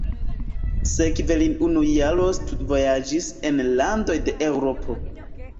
Sekve li unu jaron studvojaĝis en landoj de Eŭropo.